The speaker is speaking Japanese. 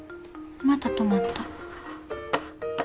また止まった。